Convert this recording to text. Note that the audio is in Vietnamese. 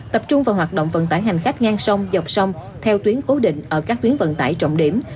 tập trung vào hoạt động vận tải hành khách ngang sông dọc sông theo tuyến cố định ở các tuyến vận tải trọng điểm